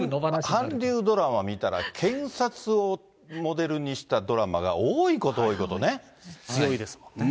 韓流ドラマ見たら、検察をモデルにしたドラマが多いこと多い強いですもんね。